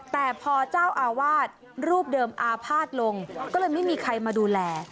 แต่พอเจ้าอาวาสรูปเดิมอาภาษณ์ลงก็เลยไม่มีใครมาดูแล